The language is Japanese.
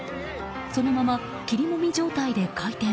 そのまま、きりもみ状態で回転。